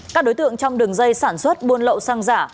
các đối tượng trong đường dây sản xuất buôn lậu xăng giả